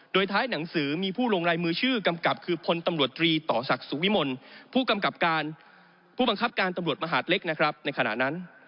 โดยท้ายหนังสือมีผู้ลงลายมือชื่อกำกับคือพลตำรวจตรีต่อศักดิ์สุวิมลผู้กำกับการผู้บังคับการตำรวจมหาดเล็กนะครับในขณะนั้น